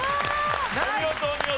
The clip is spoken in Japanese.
お見事お見事。